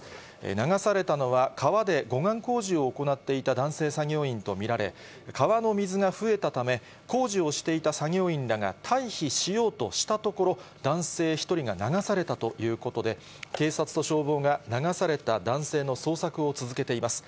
流されたのは、川で護岸工事を行っていた男性作業員と見られ、川の水が増えたため、工事をしていた作業員らが退避しようとしたところ、男性１人が流されたということで、警察と消防が、流された男性の捜索を続けています。